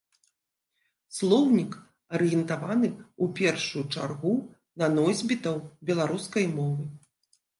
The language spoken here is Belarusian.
Слоўнік арыентаваны ў першую чаргу на носьбітаў беларускай мовы.